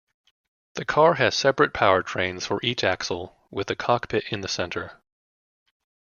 The car has separate powertrains for each axle, with the cockpit in the center.